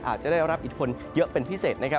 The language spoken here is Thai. อาจจะได้รับอิทธิพลเยอะเป็นพิเศษนะครับ